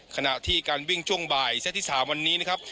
ขณะที่การวิ่งช่วงบ่ายเซตที่๓วันนี้นะครับ